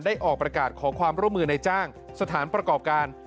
ออกประกาศขอความร่วมมือในจ้างสถานประกอบการ